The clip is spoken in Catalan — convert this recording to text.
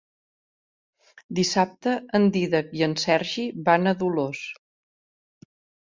Dissabte en Dídac i en Sergi van a Dolors.